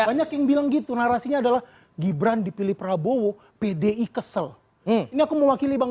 banyak yang bilang gitu narasinya adalah gibran dipilih prabowo pdi kesel ini aku mewakili bang